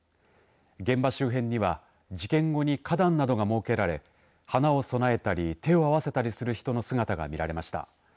現場周辺には事件後に花壇などが設けられ花を供えたり手を合わせたりする人の姿が見られました。